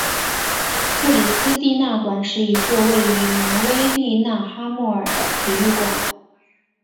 克里斯蒂娜馆是一座位于挪威利勒哈默尔的体育馆。